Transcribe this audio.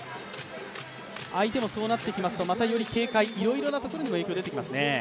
相手もそうなってきますとまた警戒、いろいろなところにも影響出てきますよね。